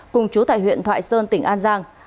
cùng chú tại huyện thoại sơn tỉnh an giang